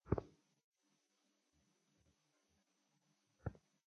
তিনি সাংবাদিকতার কাজ নেন।